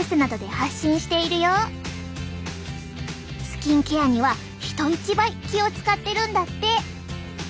スキンケアには人一倍気を遣ってるんだって。